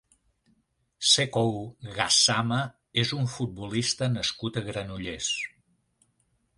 Sekou Gassama és un futbolista nascut a Granollers.